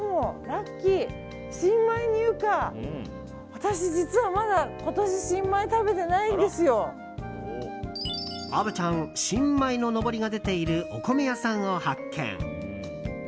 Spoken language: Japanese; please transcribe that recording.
私、実はまだ今年新米を虻ちゃん新米ののぼりが出ているお米屋さんを発見。